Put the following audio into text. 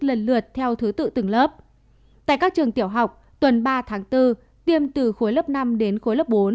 lần lượt theo thứ tự từng lớp tại các trường tiểu học tuần ba tháng bốn tiêm từ khối lớp năm đến khối lớp bốn